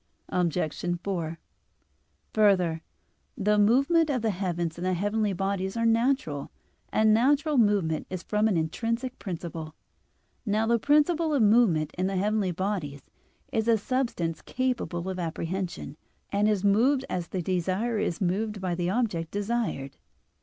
Obj. 4: Further, the movement of the heaven and the heavenly bodies are natural (De Coel. i, text. 7, 8): and natural movement is from an intrinsic principle. Now the principle of movement in the heavenly bodies is a substance capable of apprehension, and is moved as the desirer is moved by the object desired (Metaph.